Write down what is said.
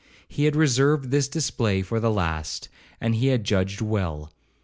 He had reserved this display for the last, and he had judged well.